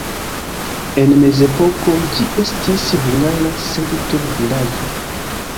En mezepoko ĝi estis hungara servutul-vilaĝo.